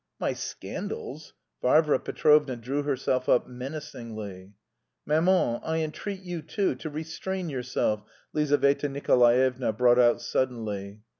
"My scandals?" Varvara Petrovna drew herself up menacingly. "Maman, I entreat you too, to restrain yourself," Lizaveta Nikolaevna brought out suddenly.